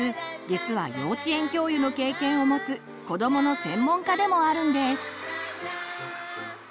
実は幼稚園教諭の経験をもつ子どもの専門家でもあるんです。